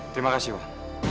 terima kasih wan